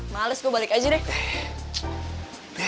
males gue balik aja deh